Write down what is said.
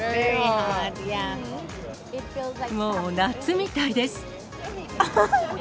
もう夏みたいです。